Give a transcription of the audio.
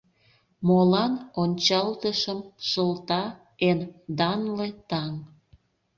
Молан ончалтышым шылта эн данле таҥ?